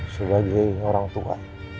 sebagai orang tua